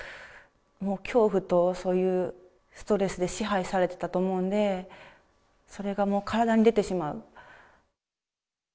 もう恐怖とそういうストレスで支配されてたと思うんで、それがもう、体に出てしまう。